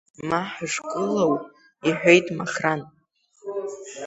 Ма ҳашгылоу, — иҳәеит Махран.